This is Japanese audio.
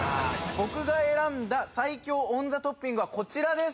僕が選んだ最強オンザトッピングはこちらです